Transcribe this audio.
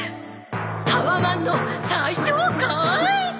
タワマンの最上階！？